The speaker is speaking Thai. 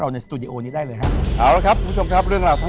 ในสตูดิโอนี้ได้เลยฮะเอาละครับคุณผู้ชมครับเรื่องราวทั้ง